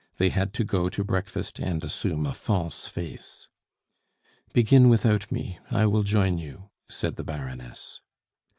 They had to go to breakfast and assume a false face. "Begin without me; I will join you," said the Baroness.